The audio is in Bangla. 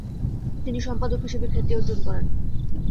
তিনি সম্পাদক হিসেবে খ্যাতি অর্জন করেন।